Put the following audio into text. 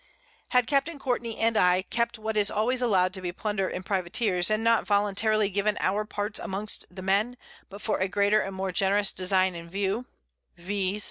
Had Capt. Courtney and I kept what is always allow'd to be Plunder in Privateers, and not voluntarily given our Parts amongst the Men, but for a greater and more generous Design in view, (_viz.